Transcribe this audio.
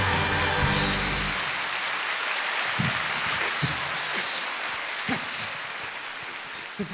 しかししかし先輩！